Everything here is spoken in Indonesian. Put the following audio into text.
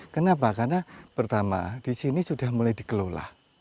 kenapa karena pertama di sini sudah mulai dikelola